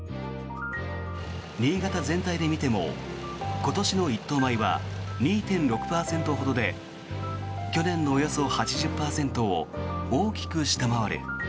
新潟全体で見ても今年の一等米は２．６％ほどで去年のおよそ８０％を大きく下回る。